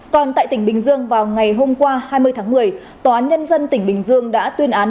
còn tại tỉnh bình dương vào ngày hôm qua hai mươi tháng một mươi tòa án nhân dân tỉnh bình dương đã tuyên án